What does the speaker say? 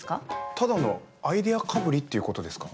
ただのアイデアかぶりっていうことですか？